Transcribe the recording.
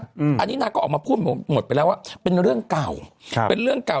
อันนี้นางก็ออกมาพูดหมดไปแล้วว่าเป็นเรื่องเก่าครับเป็นเรื่องเก่า